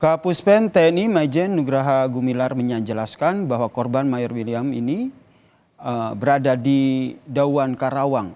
kapuspen tni majen nugraha gumilar menjelaskan bahwa korban mayor william ini berada di dawan karawang